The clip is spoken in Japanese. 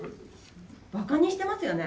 ばかにしてますよね。